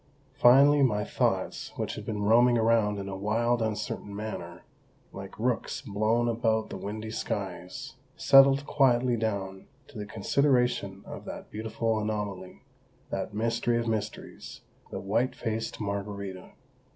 Finally my thoughts, which had been roaming around in a wild, uncertain manner, like rooks "blown about the windy skies," settled quietly down to the consideration of that beautiful anomaly, that mystery of mysteries, the white faced Margarita.